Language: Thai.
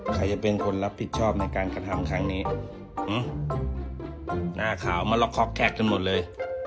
ใครจะเป็นคนรับผิดชอบในการกระทำครั้งนี้หน้าขาวมาล็อกคอกแท็กกันหมดเลย